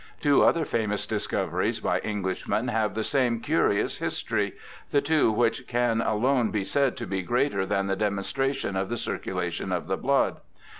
Two other famous discoveries by Englishmen have the same curious history— the two which can alone be said to be greater than the demon stration of the circulation of the blood.